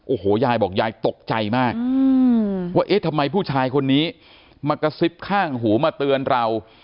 โอ้โหยายบอกยายตกใจมากว่าเอ๊ะทำไมผู้ชายคนนี้มากระซิบข้างหูมาเตือนเรา